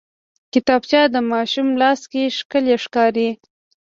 کتابچه د ماشوم لاس کې ښکلي ښکاري